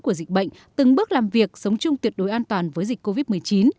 của dịch bệnh từng bước làm việc sống chung tuyệt đối an toàn với dịch covid một mươi chín